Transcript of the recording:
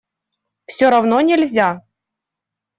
Все равно нельзя.